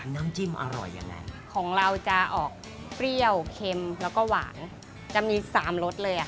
น้ำจิ้มอร่อยยังไงของเราจะออกเปรี้ยวเค็มแล้วก็หวานจะมีสามรสเลยอ่ะค่ะ